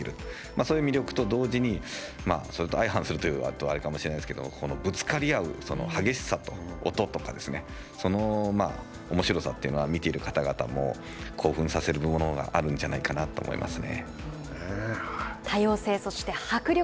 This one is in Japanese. そういう魅力と同時にそれと相反すると言うとあれかもしれないですけどぶつかり合う激しさと音とかですねおもしろさというのは見ている方々も興奮させるものがあるんじゃないかなと思いますね。